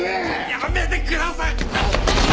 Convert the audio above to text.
やめてください！